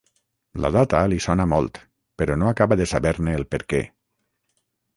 La data li sona molt, però no acaba de saber-ne el perquè.